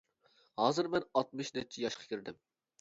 ھازىر مەن ئاتمىش نەچچە ياشقا كىردىم.